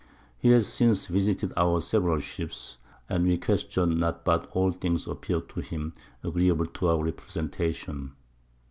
He has since visited our several Ships, and we question not but all Things appear'd to him agreeable to our Representation.